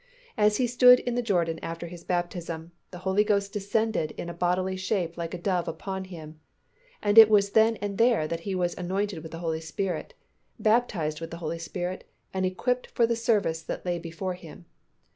As He stood in the Jordan after His baptism, "The Holy Ghost descended in a bodily shape like a dove upon Him," and it was then and there that He was anointed with the Holy Spirit, baptized with the Holy Spirit, and equipped for the service that lay before Him.